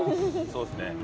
そうですね。